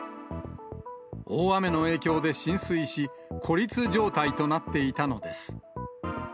大雨の影響で浸水し、孤立状態となっていたのです。